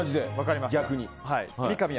逆に。